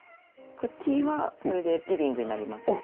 こっちはそれでリビングになります。